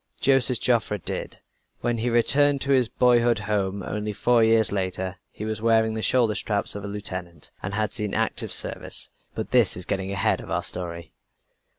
Joseph Joffre did. When he returned to his boyhood's home, only four years later, he was wearing the shoulder straps of a lieutenant, and had seen active service. But this is getting ahead of our story.